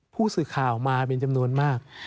ผู้สื่อข่าวมาเป็นจำนวนมาก